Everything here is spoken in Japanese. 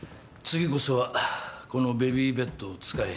次こそはこのベビーベッドを使え。